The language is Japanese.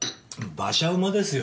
馬車馬ですよ。